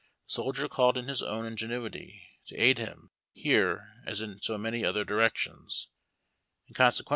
The soldier called in his own ingenuity to aid him here as in so many other directions, and consequent!